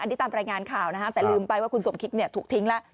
อันนี้ตามรายงานข่าวนะฮะแต่ลืมไปว่าคุณสมคิตถูกทิ้งแล้ว